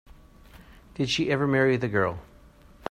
Did she ever marry the girl?